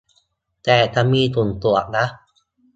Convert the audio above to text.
แต่จะมีสุ่มตรวจนะ